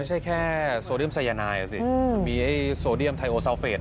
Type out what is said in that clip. ไม่ใช่แค่โซเดียมสายนายอ่ะสิมีไอ้โซเดียมไทโอซาวเฟส